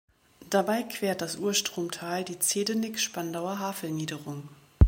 Dabei quert das Urstromtal die Zehdenick-Spandauer Havelniederung.